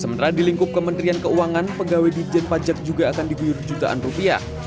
sementara di lingkup kementerian keuangan pegawai dijen pajak juga akan diguyur jutaan rupiah